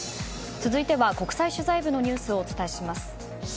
続いては国際取材部のニュースをお伝えします。